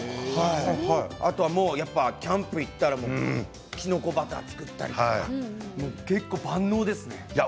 あとキャンプに行ったらきのこバターを作ったりとか結構、万能ですね。